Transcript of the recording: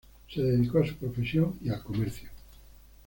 Se dedicó a su profesión y al comercio.